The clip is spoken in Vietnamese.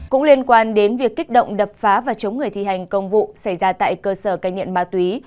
cũng liên quan đến việc kích động đập phá và chống người thi hành công vụ xảy ra tại cơ sở cai nghiện ma túy